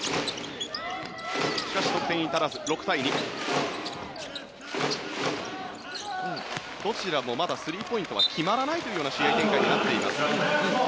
しかし得点に至らず６対２。どちらもまだスリーポイントは決まらないという試合展開になっています。